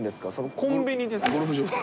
コンビニですか？